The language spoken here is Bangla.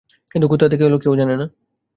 কিন্তু কোথা থেকে এল, কেউ জানে না।